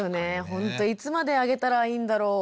ほんといつまであげたらいいんだろう？って